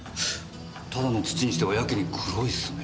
ただの土にしてはやけに黒いっすね。